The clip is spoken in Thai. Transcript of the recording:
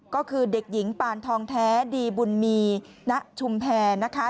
ก็คือเด็กหญิงปานทองแท้ดีบุญมีณชุมแพรนะคะ